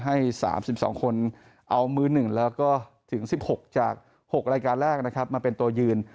ให้๓๒คนเอามือ๑แล้วก็ถึง๑๖จาก๖รายการแรกนะครับมาเป็นตัวยืน